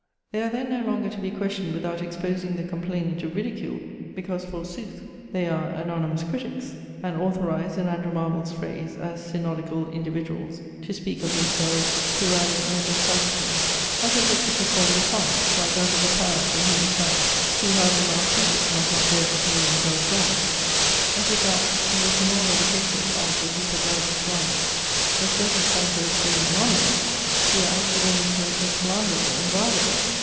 They are then no longer to be questioned without exposing the complainant to ridicule, because, forsooth, they are anonymous critics, and authorized, in Andrew Marvell's phrase, as "synodical individuals" to speak of themselves plurali majestatico! As if literature formed a caste, like that of the Paras in Hindostan, who, however maltreated, must not dare to deem themselves wronged! As if that, which in all other cases adds a deeper dye to slander, the circumstance of its being anonymous, here acted only to make the slanderer inviolable!